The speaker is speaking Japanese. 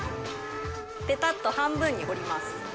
べたっと半分に折ります。